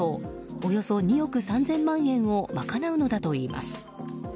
およそ２億３０００万円をまかなうのだといいます。